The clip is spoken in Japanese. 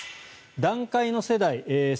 団塊の世代